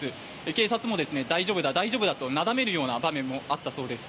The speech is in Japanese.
警察も大丈夫だ、大丈夫だとなだめるような場面もあったそうです。